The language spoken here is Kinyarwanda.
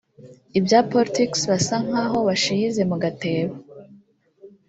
ibya Politics basa nkaho bashiyize mu gatebo